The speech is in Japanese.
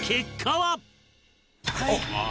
はい！